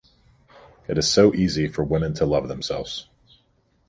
It is so easy for women to love themselves.